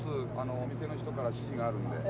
お店の人から指示があるんで。